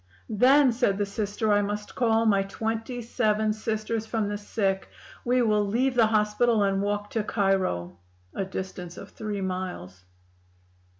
"'Then,' said the Sister, 'I must call my twenty seven Sisters from the sick; we will leave the hospital, and walk to Cairo.' (A distance of three miles.)